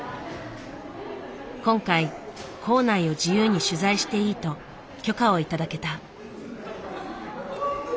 今回校内を自由に取材していいと許可を頂けた。